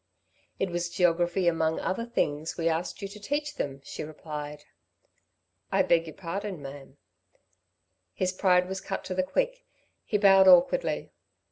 "It was geography, among other things, we asked you to teach them," she replied. "I beg your pardon, ma'am." His pride was cut to the quick; he bowed, awkwardly.